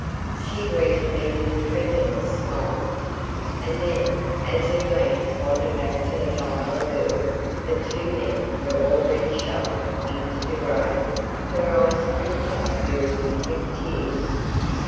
She greeted me with a tremulous smile, and then as her glance wandered back to the pile of earth that two men were already shoveling into the grave, her eyes quickly filled with tears.